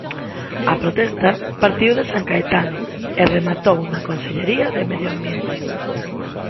A protesta partiu de San Caetano e rematou na Consellería de Medio Ambiente.